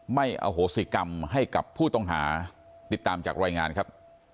อโหสิกรรมให้กับผู้ต้องหาติดตามจากรายงานครับ